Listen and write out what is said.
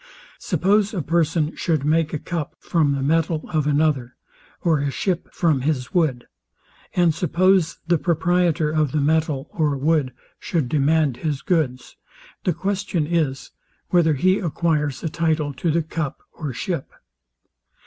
Suppose a person shoued make a cup from the metal of another, or a ship from his wood, and suppose the proprietor of the metal or wood shoued demand his goods, the question is, whether he acquires a title to the cup or ship.